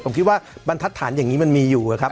ผมคิดว่าบรรทัศน์อย่างนี้มันมีอยู่ครับ